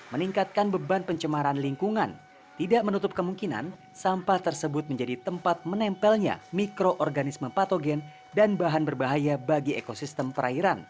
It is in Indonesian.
meningkatkan beban pencemaran lingkungan tidak menutup kemungkinan sampah tersebut menjadi tempat menempelnya mikroorganisme patogen dan bahan berbahaya bagi ekosistem perairan